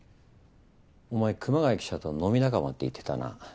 お前熊谷記者と飲み仲間って言ってたな。